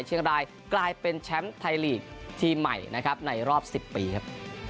เชียงรายกลายเป็นแชมป์ไทยลีกทีมใหม่นะครับในรอบ๑๐ปีครับ